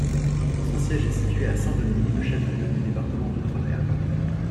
Son siège est situé à Saint-Denis, le chef-lieu du département d'outre-mer.